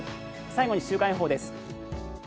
最後に週間予報です。